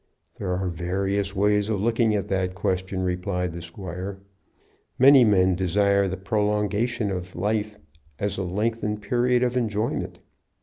"There are various ways of looking at that question," replied the squire. "Many men desire the prolongation of life as a lengthened period of enjoyment.